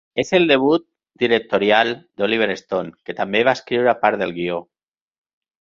És el debut directorial d'Oliver Stone, que també va escriure part del guió.